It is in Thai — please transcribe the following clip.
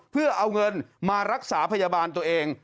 เพื่อเอาเงินมารักษาพยาบาลตัวเอง